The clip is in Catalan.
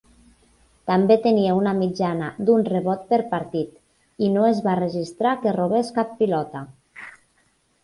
També tenia una mitjana d'un rebot per partit, i no es va registrar que robés cap pilota.